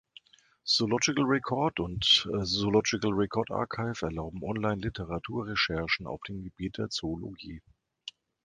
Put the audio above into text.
Zoological Record und Zoological Record Archive erlauben Online-Literaturrecherchen auf dem Gebiet der Zoologie.